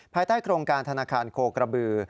ภายใต้โครงการธนาคารโคกระบือ